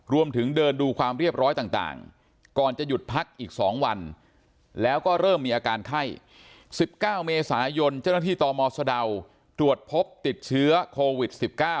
รวมถึงเดินดูความเรียบร้อยต่างก่อนจะหยุดพักอีก๒วันแล้วก็เริ่มมีอาการไข้๑๙เมษายนเจ้าหน้าที่ตมสะดาวตรวจพบติดเชื้อโควิด๑๙